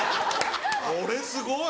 これすごい！